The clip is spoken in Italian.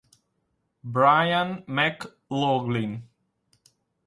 Brian McLaughlin